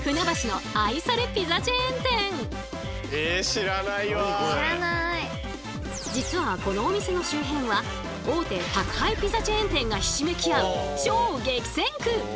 千葉県実はこのお店の周辺は大手宅配ピザチェーン店がひしめき合う超激戦区！